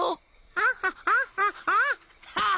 アハハハハハ！